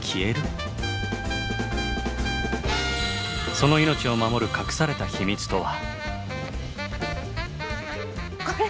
その命を守る隠された秘密とは？